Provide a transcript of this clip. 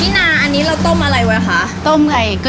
นี่นาอันนี้เราต้มอะไรไว้คะ